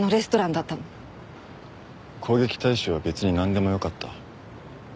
攻撃対象は別になんでもよかった。